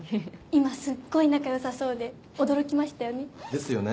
今すっごい仲良さそうで驚きましたよね。ですよね。